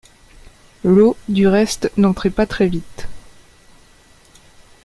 L’eau, du reste, n’entrait pas très vite.